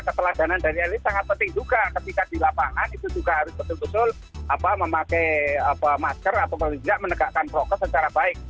keteladanan dari elit sangat penting juga ketika di lapangan itu juga harus betul betul memakai masker atau tidak menegakkan prokes secara baik